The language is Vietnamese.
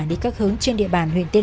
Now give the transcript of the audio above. đi các hướng trên địa bàn huyện tiên